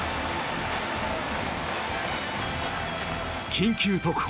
『緊急特報！